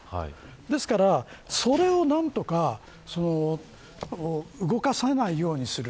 ですから、それを何とか動かさないようにする。